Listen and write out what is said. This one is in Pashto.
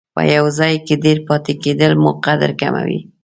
په یو ځای کې ډېر پاتې کېدل مو قدر کموي.